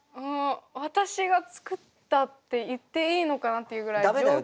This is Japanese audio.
私が作ったって言っていいのかなっていうぐらい上級品。